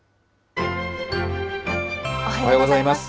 おはようございます。